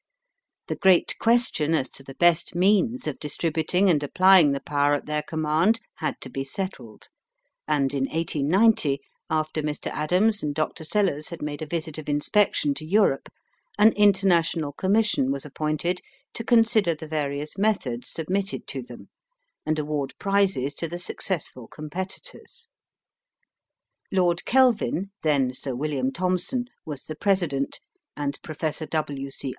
The great question as to the best means of distributing and applying the power at their command had to be settled; and in 1890, after Mr. Adams and Dr. Sellers had made a visit of inspection to Europe, an International Commission was appointed to consider the various methods submitted to them, and award prizes to the successful competitors. Lord Kelvin (then Sir William Thomson) was the president, and Professor W. C.